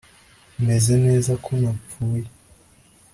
meze neza ko napfuye